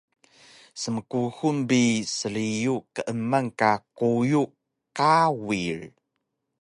Smkuxul bi sriyu keeman ka quyu kawir